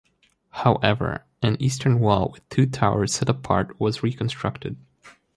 However, an eastern wall with two towers set apart was reconstructed.